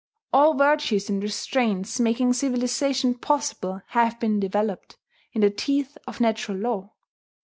All virtues and restraints making civilization possible have been developed in the teeth of natural law.